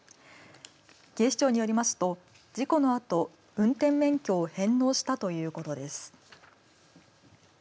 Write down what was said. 警視庁によりますと事故のあと運転免許を返納したということです。